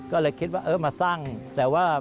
ก็เลยคิดว่าเออมาสร้างแต่ว่า